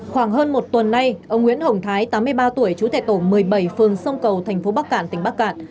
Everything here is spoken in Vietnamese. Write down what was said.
khoảng hơn một tuần nay ông nguyễn hồng thái tám mươi ba tuổi chú thẻ tổ một mươi bảy phường sông cầu tp bắc cạn tỉnh bắc cạn